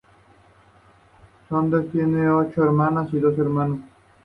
Sanders tiene ocho hermanas y dos hermanos.